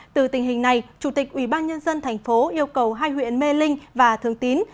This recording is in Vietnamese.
từ tình hình này chủ tịch ubnd thành phố yêu cầu hai huyện mê linh và thường tín